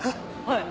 はい。